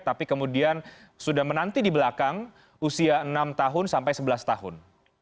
tapi kemudian sudah menanti di belakang usia enam tahun sampai sebelas tahun